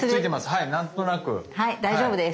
はい大丈夫です。